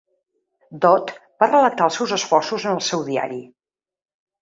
Dodd va relatar els seus esforços en el seu diari.